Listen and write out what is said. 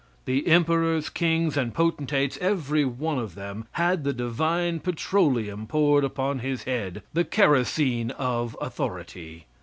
The emperors, kings and potentates, every one of them, had the divine petroleum poured upon his head, the kerosene of authority.